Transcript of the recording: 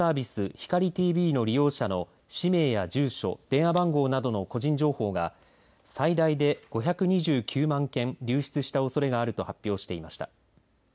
ひかりＴＶの利用者の氏名や住所電話番号などの個人情報が最大で５２９万件流出したおそれがあると発表していました。